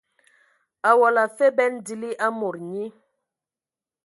Awɔla afe bɛn dili a mod nyi.